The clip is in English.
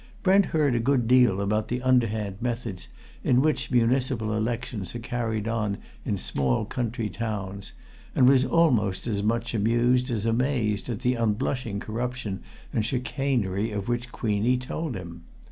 Brent heard a good deal about the underhand methods in which municipal elections are carried on in small country towns, and was almost as much amused as amazed at the unblushing corruption and chicanery of which Queenie told him.